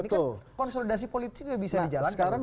ini kan konsolidasi politik juga bisa dijalankan